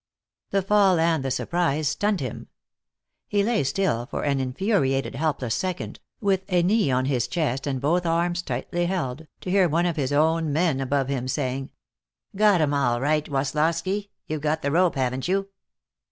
The fall and the surprise stunned him. He lay still for an infuriated helpless second, with a knee on his chest and both arms tightly held, to hear one of his own men above him saying: "Got him, all right. Woslosky, you've got the rope, haven't you?"